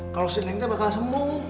kalau si neng itu bakal sembuh